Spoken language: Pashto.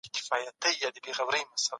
هغه یوازې د علم د پرمختګ لپاره کار کاوه.